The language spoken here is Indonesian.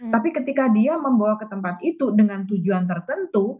tapi ketika dia membawa ke tempat itu dengan tujuan tertentu